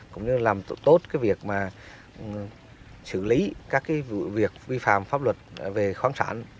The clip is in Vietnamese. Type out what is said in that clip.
cũng như làm tốt việc xử lý các việc vi phạm pháp luật về khoáng sản